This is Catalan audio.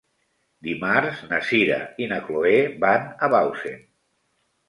Dimarts na Sira i na Chloé van a Bausen.